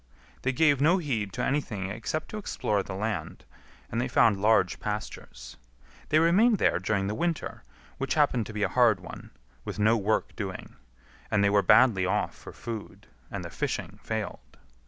They gave no heed to anything except to explore the land, and they found large pastures. They remained there during the winter, which happened to be a hard one, with no work doing; and they were badly off for food, and the fishing failed.